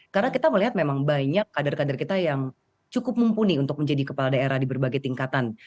karena kita melihat memang banyak kader kader kita yang cukup mumpuni untuk menjadi kepala daerah di berbagai tingkatan